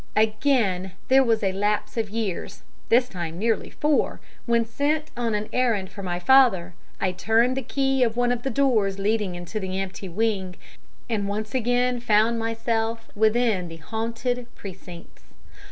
"Again there was a lapse of years this time nearly four when, sent on an errand for my father, I turned the key of one of the doors leading into the empty wing, and once again found myself within the haunted precincts.